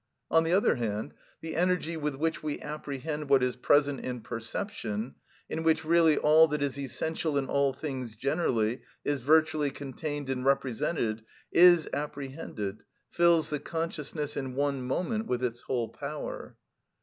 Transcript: On the other hand, the energy with which we apprehend what is present in perception, in which really all that is essential in all things generally is virtually contained and represented, is apprehended, fills the consciousness in one moment with its whole power.